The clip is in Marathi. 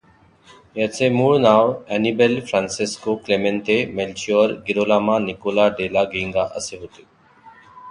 याचे मूळ नाव ऍनिबेल फ्रांसेस्को क्लेमेंते मेल्चिओर गिरोलामो निकोला डेला गेंगा असे होते.